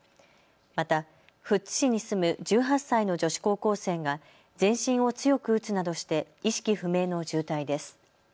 また富津市に住む１８歳の女子高校生が全身を強く強く打つなどして意識不明の重体です。